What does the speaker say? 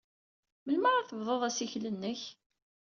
Melmi ara tebdud assikel-nnek?